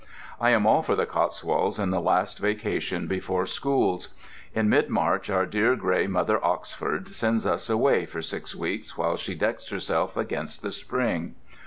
I am all for the Cotswolds in the last vacation before "Schools." In mid March our dear gray Mother Oxford sends us away for six weeks while she decks herself against the spring.